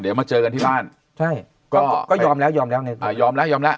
เดี๋ยวมาเจอกันที่บ้านใช่ก็ก็ยอมแล้วยอมแล้วไงอ่ายอมแล้วยอมแล้ว